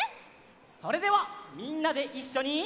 それではみんなでいっしょに。